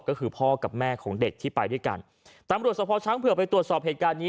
ก็คือพ่อกับแม่ของเด็กที่ไปด้วยกันตำรวจสภช้างเผื่อไปตรวจสอบเหตุการณ์นี้